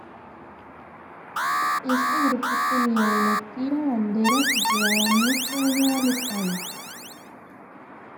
Este grupo tenía una tira, banderas y llevaba mucho humo al estadio.